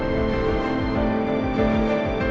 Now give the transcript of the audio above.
tak ada yangmemakannya